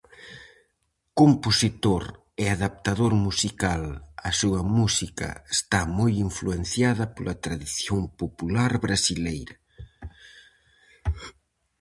Compositor e adaptador musical, a súa música está moi influenciada pola tradición popular brasileira.